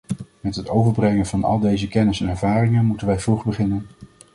Met het overbrengen van al deze kennis en ervaringen moeten wij vroeg beginnen.